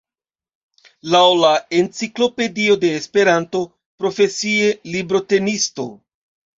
Laŭ la Enciklopedio de Esperanto, «Profesie librotenisto.